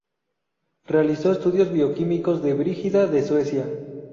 Realizó estudios bioquímicos de Brígida de Suecia.